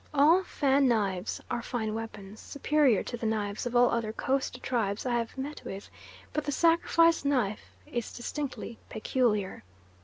All Fan knives are fine weapons, superior to the knives of all other Coast tribes I have met with, but the sacrifice knife is distinctly peculiar.